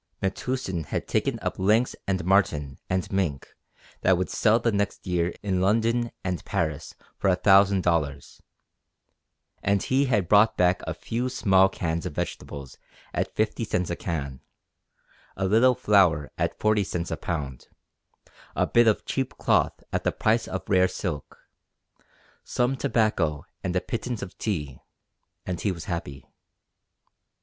Metoosin had taken up lynx and marten and mink that would sell the next year in London and Paris for a thousand dollars, and he had brought back a few small cans of vegetables at fifty cents a can, a little flour at forty cents a pound, a bit of cheap cloth at the price of rare silk, some tobacco and a pittance of tea, and he was happy.